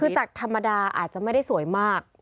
คือจากธรรมดาอาจจะไม่ได้สวยมาก